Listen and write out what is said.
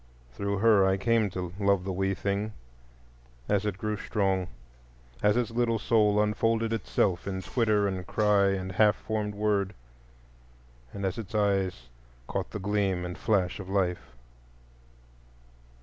Through her I came to love the wee thing, as it grew strong; as its little soul unfolded itself in twitter and cry and half formed word, and as its eyes caught the gleam and flash of life.